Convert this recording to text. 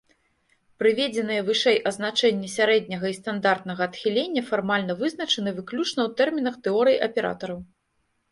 Прыведзеныя вышэй азначэнні сярэдняга і стандартнага адхілення фармальна вызначаны выключна ў тэрмінах тэорыі аператараў.